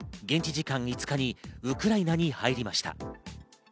現地時間５日にウクライナに入りました。